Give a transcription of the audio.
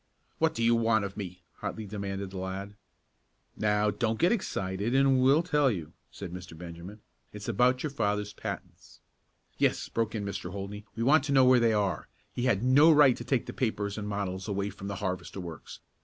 "What do you want of me?" hotly demanded the lad. "Now don't get excited and we'll tell you," said Mr. Benjamin. "It's about your father's patents." "Yes," broke in Mr. Holdney, "we want to know where they are. He had no right to take the papers and models away from the harvester works.